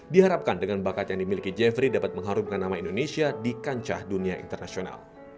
diharapkan dengan bakat yang dimiliki jeffrey dapat mengharumkan nama indonesia di kancah dunia internasional